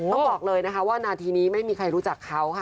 ต้องบอกเลยนะคะว่านาทีนี้ไม่มีใครรู้จักเขาค่ะ